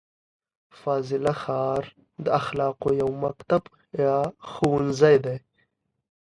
فاضله ښار د اخلاقو یو مکتب دی.